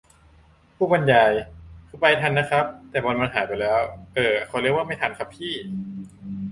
ผู้บรรยาย :"คือไปทันนะครับ แต่บอลมันหายไปแล้ว" เอ่อ เค้าเรียกว่าไม่ทันครับพี่